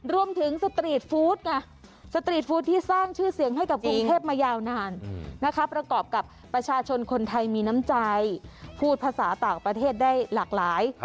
สตรีทฟู้ดไงสตรีทฟู้ดที่สร้างชื่อเสียงให้กับกรุงเทพมายาวนานนะคะประกอบกับประชาชนคนไทยมีน้ำใจพูดภาษาต่างประเทศได้หลากหลาย